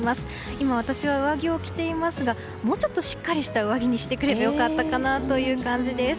今、私は上着を着ていますがもうちょっとした上着にしてくれば良かったかなという感じです。